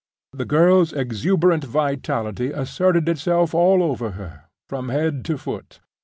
The girl's exuberant vitality asserted itself all over her, from head to foot.